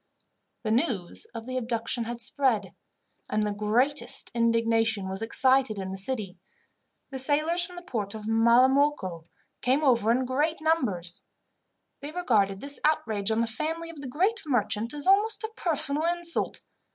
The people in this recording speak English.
The news of the abduction had spread, and the greatest indignation was excited in the city. The sailors from the port of Malamocco came over in great numbers. They regarded this outrage on the family of the great merchant as almost a personal insult.